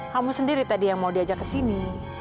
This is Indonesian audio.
kamu sendiri tadi yang mau diajak kesini